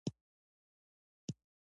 ایا ستاسو امانتونه ساتل شوي دي؟